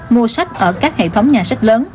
mua sách ở các hệ thống nhà sách lớn